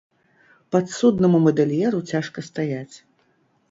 Падсуднаму мадэльеру цяжка стаяць.